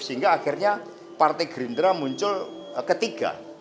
sehingga akhirnya partai green trust muncul ketiga